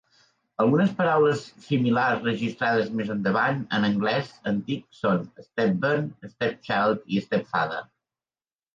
Algunes paraules similars registrades més endavant en anglès antic són "stepbairn", "stepchild" i "stepfather".